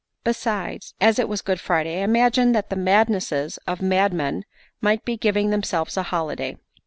Besides, as it was Good Friday, I imagined that the madnesses of madmen might be giving themselves a holiday.